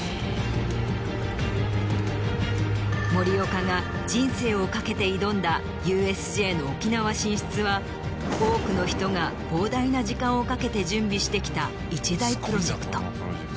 森岡が人生を懸けて挑んだＵＳＪの沖縄進出は多くの人が膨大な時間をかけて準備してきた一大プロジェクト。